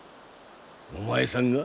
お前さんが？